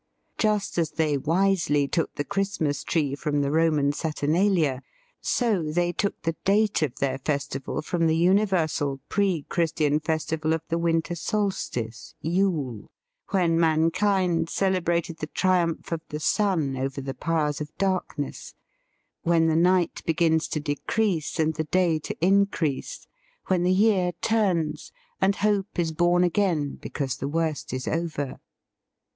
Just as they wisely took the Christmas tree from the Roman Saturnalia, so they took the date of their festival from the universal pre Christian festival of the winter solstice. Yule, when mankind celebrated the triumph of the sun over the powers of darkness, when the night begins to de grease and the day to increase, when THE FEAST OF ST FRIEND the year turns, and hope is born again because the worst is over.